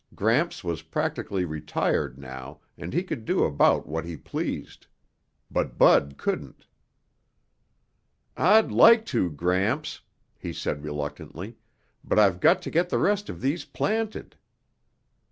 Gramps was practically retired now and he could do about what he pleased. But Bud couldn't. "I'd like to, Gramps," he said reluctantly, "but I've got to get the rest of these planted."